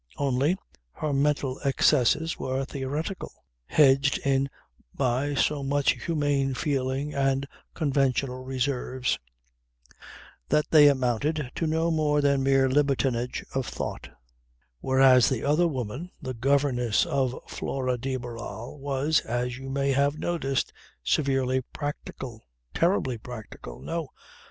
Only, her mental excesses were theoretical, hedged in by so much humane feeling and conventional reserves, that they amounted to no more than mere libertinage of thought; whereas the other woman, the governess of Flora de Barral, was, as you may have noticed, severely practical terribly practical. No!